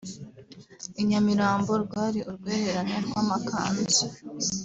I Nyamirambo rwari urwererane rw’amakanzu